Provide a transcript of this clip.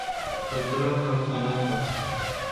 سدرا کا کہنا تھا